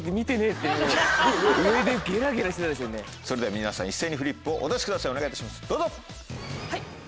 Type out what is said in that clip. それでは皆さん一斉にフリップをお出しください。